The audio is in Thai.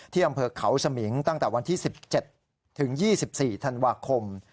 อำเภอเขาสมิงตั้งแต่วันที่๑๗ถึง๒๔ธันวาคม